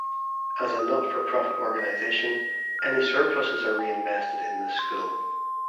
As a not-for-profit organization, any surpluses are re-invested in the school.